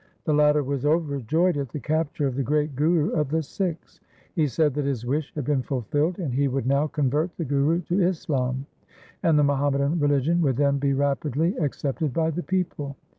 The latter was overjoyed at the capture of the great Guru of the Sikhs. He said that his wish had been fulfilled, and he would now convert the Guru to Islam, and the Muhammadan religion would then be rapidly ac cepted by the people.